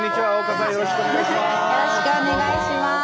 よろしくお願いします！